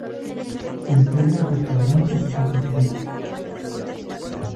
Integra restaurantes y cafeterías.